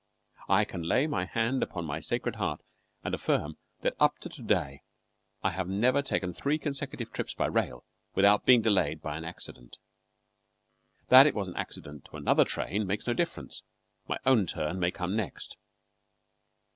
I can lay my hand upon my sacred heart and affirm that up to to day I have never taken three consecutive trips by rail without being delayed by an accident. That it was an accident to another train makes no difference. My own turn may come next.